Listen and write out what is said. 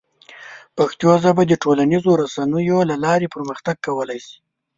پښتو ژبه د ټولنیزو رسنیو له لارې پرمختګ کولی شي.